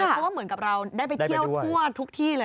เพราะว่าเหมือนกับเราได้ไปเที่ยวทั่วทุกที่เลย